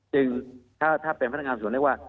จึงถ้าเป็นพนักงานสวนเรียกว่า